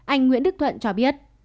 anh nguyễn đức thuận cho biết